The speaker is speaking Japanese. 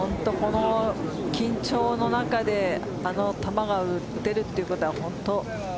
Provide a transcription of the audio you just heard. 緊張の中であの球が打てるということは本当。